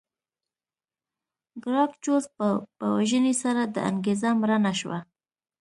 ګراکچوس په وژنې سره دا انګېزه مړه نه شوه.